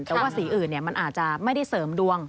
แต่ว่าสีอื่นมันอาจจะไม่ได้เสริมดวง